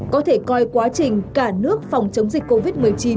có thể coi quá trình cả nước phòng chống dịch covid một mươi chín